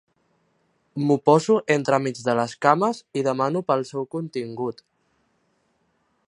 M'ho poso entremig de les cames i demano pel seu contingut.